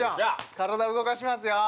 体、動かしますよ。